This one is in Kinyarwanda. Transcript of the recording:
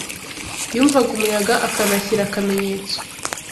Yumvaga umuyaga akanashyira akamenyetso